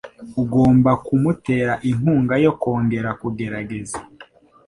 Ugomba kumutera inkunga yo kongera kugerageza.